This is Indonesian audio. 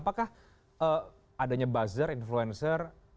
apakah adanya buzzer influencer